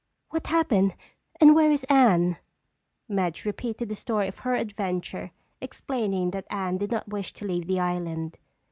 What happened and where is Anne?" Madge repeated the story of her adventure, explaining that Anne did not wish to leave the island.